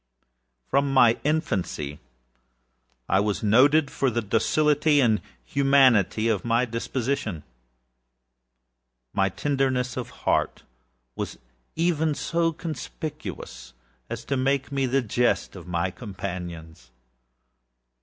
From my infancy I was noted for the docility and humanity of my disposition. My tenderness of heart was even so conspicuous as to make me the jest of my companions.